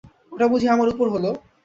ওটা বুঝি আমার উপর হল?